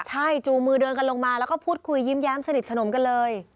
ใช่จูงมือเดินกันลงมาแล้วก็พูดคุยยิ้มแย้มสนิทสนมกันเลย